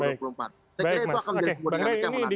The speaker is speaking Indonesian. saya kira itu akan menjadi kemudian yang kemudian